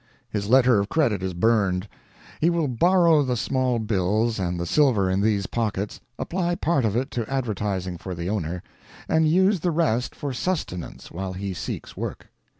His letter of credit is burned; he will borrow the small bills and the silver in these pockets, apply part of it to advertising for the owner, and use the rest for sustenance while he seeks work.